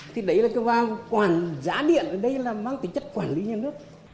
thì đấy là cái vàng giá điện ở đây là mang tính chất quản lý nhà nước